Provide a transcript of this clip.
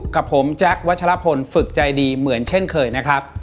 กับผมแจ๊ควัชลพลฝึกใจดีเหมือนเช่นเคยนะครับ